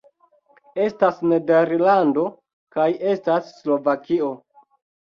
Estas Nederlando kaj estas Slovakio